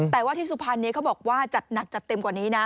แต่ว่าที่สุพรรณนี้เขาบอกว่าจัดหนักจัดเต็มกว่านี้นะ